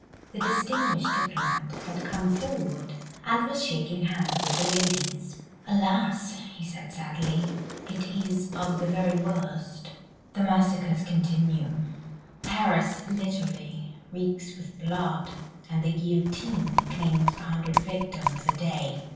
The distinguished diplomatist had come forward and was shaking hands with the ladies. "Alas!" he said sadly, "it is of the very worst. The massacres continue; Paris literally reeks with blood; and the guillotine claims a hundred victims a day."